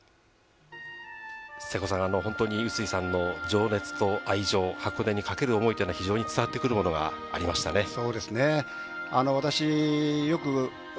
瀬古さん、本当に碓井さんの情熱と愛情、箱根にかける思いというのが伝わってくるものがありましたね。